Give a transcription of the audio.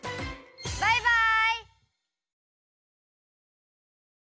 バイバイ！